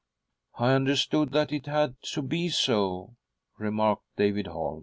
" I understood that it had to be so," remarked David Holm.